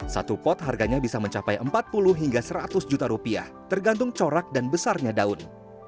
satu pot harganya bisa mencapai empat puluh hingga seratus juta rupiah tergantung corak dan besarnya daun